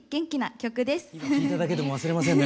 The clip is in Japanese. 今聴いただけでも忘れませんね。